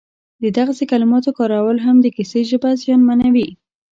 د دغسې کلماتو کارول هم د کیسې ژبه زیانمنوي